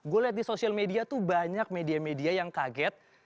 gue lihat di sosial media tuh banyak media media yang kaget